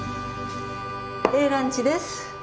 Ａランチです。